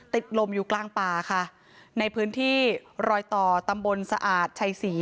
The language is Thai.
ติดลมอยู่กลางป่าค่ะในพื้นที่รอยต่อตำบลสะอาดชัยศรี